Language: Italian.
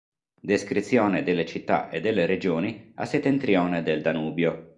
Descrizione delle città e delle regioni a settentrione del Danubio.